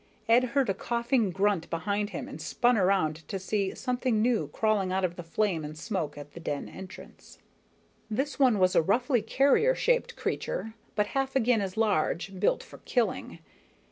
Ed heard a coughing grunt behind him and spun around to see something new crawling out of the flame and smoke at the den entrance. This one was a roughly carrier shaped creature, but half again as large, built for killing.